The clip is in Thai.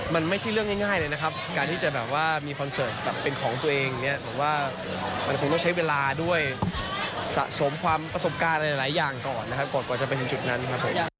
มันไม่ใช่เรื่องง่ายเลยนะครับการที่จะแบบว่ามีคอนเสิร์ตแบบเป็นของตัวเองอย่างนี้ผมว่ามันคงต้องใช้เวลาด้วยสะสมความประสบการณ์อะไรหลายอย่างก่อนนะครับก่อนกว่าจะไปถึงจุดนั้นครับผม